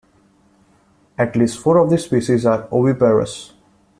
At least four of the species are oviparous.